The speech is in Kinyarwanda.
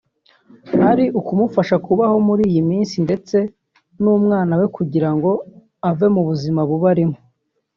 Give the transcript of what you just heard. ari ukumufasha kubaho muri iyi minsi ndetse n’umwana we kugira ngo ave mu buzima bubi arimo”